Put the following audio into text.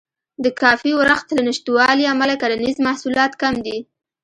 د کافي ورښت له نشتوالي امله کرنیز محصولات کم دي.